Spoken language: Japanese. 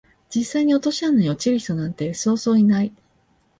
実際に落とし穴に落ちる人なんてそうそういない